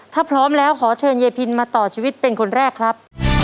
ถ้าพร้อมแล้วขอเชิญยายพินมาต่อชีวิตเป็นคนแรกครับ